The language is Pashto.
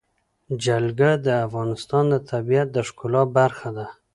جلګه د افغانستان د طبیعت د ښکلا برخه ده.